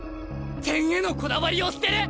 点へのこだわりを捨てる！？